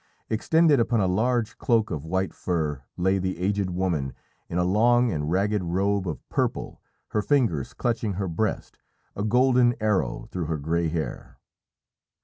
Extended upon a large cloak of white fur lay the aged woman in a long and ragged robe of purple, her fingers clutching her breast, a golden arrow through her grey hair.